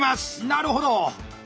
なるほど！